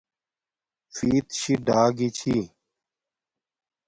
فیتشی ڈا گی چھی